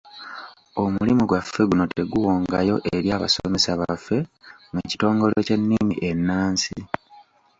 Omulimu gwaffe guno tuguwongayo eri abasomesa baffe mu kitongole ky’ennimi ennansi.